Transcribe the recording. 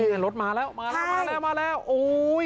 โอ้โหดูดิรถมาแล้วมาแล้วมาแล้วมาแล้วโอ้โห